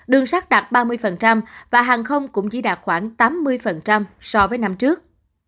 đường sát đạt ba mươi và hàng không cũng chỉ đạt khoảng tám mươi so với năm trước